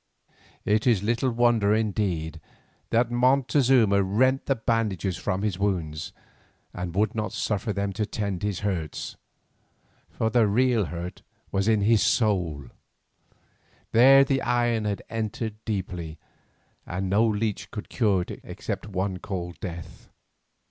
It is little wonder indeed that Montezuma rent the bandages from his wounds and would not suffer them to tend his hurts. For the real hurt was in his soul; there the iron had entered deeply, and no leech could cure it except one called Death.